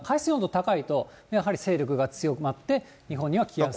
高いと、やはり勢力が強まって、日本には来やすくなる。